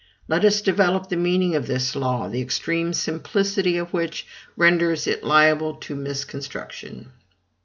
Let us develop the meaning of this law, the extreme simplicity of which renders it liable to misconstruction.